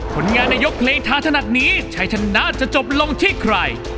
ผลงานในยกเพลงทาถนัดนี้ชัยชนะจะจบลงที่ใคร